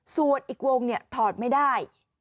ส่วนอีกวงถอดไม่ได้